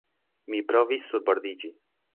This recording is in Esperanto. Mi provis surbordiĝi.